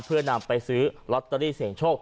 เพื่อนำไปซื้อลอตเตอรี่เสียงโชค